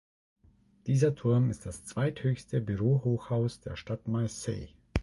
Dieser Turm ist das zweithöchste Bürohochhaus der Stadt Marseille.